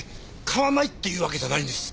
買わないっていうわけじゃないんです。